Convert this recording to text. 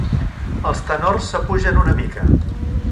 Els tenors s'apugen una mica.